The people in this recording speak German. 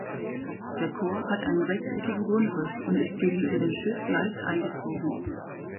Der Chor hat einen rechteckigen Grundriss und ist gegenüber dem Schiff leicht eingezogen.